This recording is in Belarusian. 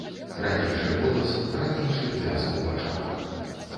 Ранейшы голас, ранейшы бляск у вачах.